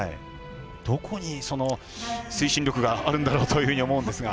どこに、その推進力があるんだろうと思うんですが。